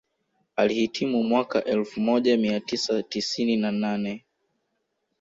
Alihitimu mwaka elfu moja mia tisa tisini na nane